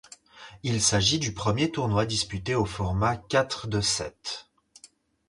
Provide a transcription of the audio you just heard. Il s'agit du premier tournoi disputé au format quatre de sept.